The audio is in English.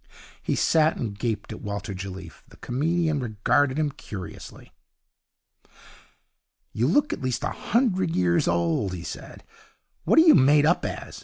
He sat and gaped at Walter Jelliffe. The comedian regarded him curiously. 'You look at least a hundred years old,' he said. 'What are you made up as?